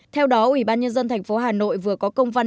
theo đó ủy ban nhân dân thành phố hà nội vừa có công văn